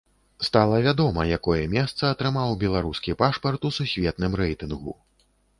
Стала вядома, якое месца атрымаў беларускі пашпарт у сусветным рэйтынгу.